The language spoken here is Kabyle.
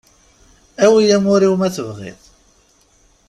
Awi amur-iw ma tebɣiḍ.